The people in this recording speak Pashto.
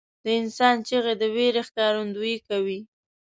• د انسان چیغې د وېرې ښکارندویي کوي.